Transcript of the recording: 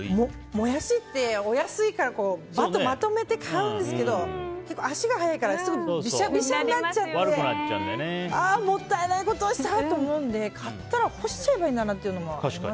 モヤシって、お安いからバッとまとめて買うんですけど足が早いからすぐにびしゃびしゃになってもったいないことをしたと思うので買ったら干しちゃえばいいんだなって。